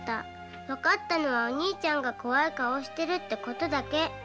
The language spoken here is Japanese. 分かったのはお兄ちゃんが怖い顔をしていることだけ。